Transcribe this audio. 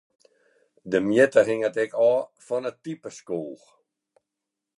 De mjitte hinget ek ôf fan it type skoech.